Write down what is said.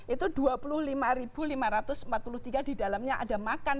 itu dua puluh lima lima ratus empat puluh tiga di dalamnya ada makan